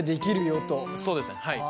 そうですねはい。